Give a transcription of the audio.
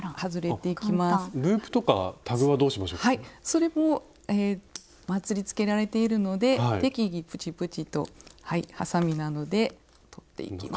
それもまつりつけられているので適宜プチプチとはさみなどで取っていきます。